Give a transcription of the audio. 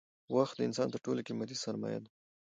وخت د انسان تر ټولو قیمتي سرمایه ده